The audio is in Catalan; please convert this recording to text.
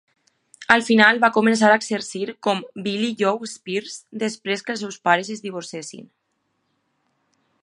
Al final va començar a exercir com Billie Jo Spears després que els seus pares es divorciessin.